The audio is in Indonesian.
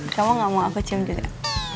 kamu gak mau aku cium dulu ya